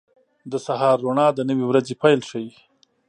• د سهار روڼا د نوې ورځې پیل ښيي.